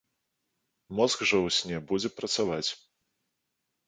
Мозг жа ў сне будзе працаваць.